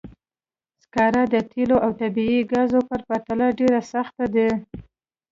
سکاره د تېلو او طبیعي ګازو په پرتله ډېر سخت دي.